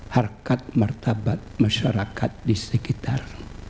harkat martabat masyarakat di sekitar